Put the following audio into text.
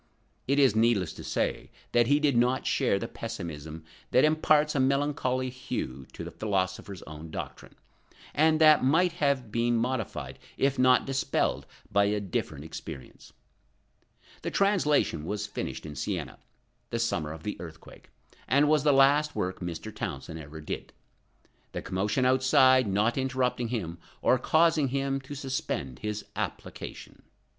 It is needless to say that he did not share the pessimism that imparts a melancholy hue to the philosopher's own doctrine, and that might have been modified if not dispelled by a different experience. The translation was finished at Siena, the summer of the earthquake, and was the last work Mr. Townsend ever did, the commotion outside not interrupting him, or causing him to suspend his application.